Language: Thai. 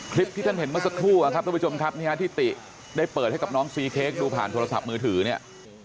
คลิปที่ท่านเห็นเมื่อสักครู่อะครับทุกผู้ชมครับที่ติได้เปิดให้กับน้องซีเค้กดูผ่านโทรศัพท์มือถือเนี่ย